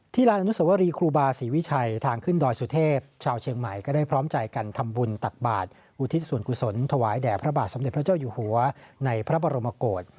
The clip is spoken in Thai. ลานอนุสวรีครูบาศรีวิชัยทางขึ้นดอยสุเทพชาวเชียงใหม่ก็ได้พร้อมใจกันทำบุญตักบาทอุทิศส่วนกุศลถวายแด่พระบาทสมเด็จพระเจ้าอยู่หัวในพระบรมกฏ